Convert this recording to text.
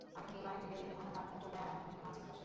আমি ধুলায় গেলেই আমার নাক, মুখ চুলকায় আর অনেক হাঁচি আসে।